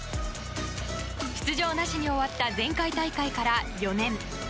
出場なしに終わった前回大会から４年。